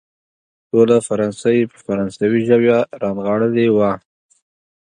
ټوله فرانسه يې په فرانسوي ژبه رانغاړلې وه.